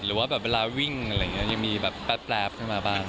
หรือว่าแบบเวลาวิ่งอะไรอย่างนี้ยังมีแบบแป๊บขึ้นมาบ้าง